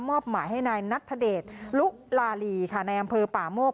อบหมายให้นายนัทธเดชลุลาลีค่ะในอำเภอป่าโมก